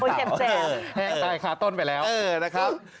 แห้งตายคาต้นไปแล้วเออนะครับ